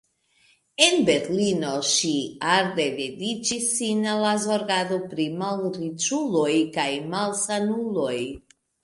En Berlino ŝi arde dediĉis sin al la zorgado pri malriĉuloj kaj malsanuloj.